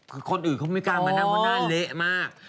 กันตามไม่น่าว่าหน้าเละมาก